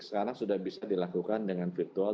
sekarang sudah bisa dilakukan dengan virtual